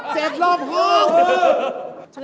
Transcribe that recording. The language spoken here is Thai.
เจ็บรอบห้อง